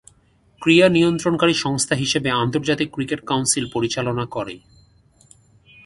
ক্রীড়া নিয়ন্ত্রণকারী সংস্থা হিসেবে আন্তর্জাতিক ক্রিকেট কাউন্সিল পরিচালনা করে।